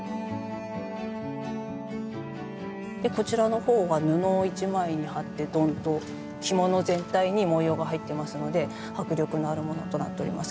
でこちらの方は布を１枚に貼ってドンと着物全体に文様が入ってますので迫力のあるものとなっております。